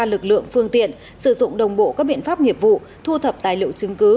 lực lượng phương tiện sử dụng đồng bộ các biện pháp nghiệp vụ thu thập tài liệu chứng cứ